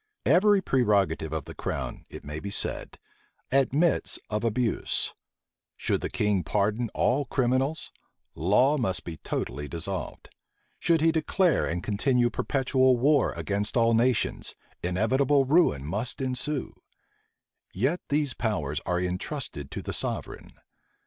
Every prerogative of the crown, it may be said, admits of abuse: should the king pardon all criminals, law must be totally dissolved: should he declare and continue perpetual war against all nations, inevitable ruin must ensue: yet these powers are intrusted to the sovereign.